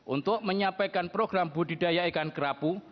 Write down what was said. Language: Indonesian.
untuk menyampaikan program budidaya ikan kerapu